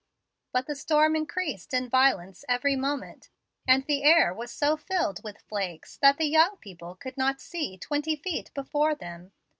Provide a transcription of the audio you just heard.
But the storm increased in violence every moment, and the air was so filled with flakes that the young people could not see twenty feet before them.